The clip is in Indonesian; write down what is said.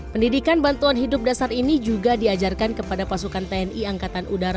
pendidikan bantuan hidup dasar ini juga diajarkan kepada pasukan tni angkatan udara